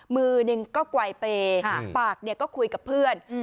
มือหนึ่งก็ไกลเปย์ปากก็คุยกับเพื่อน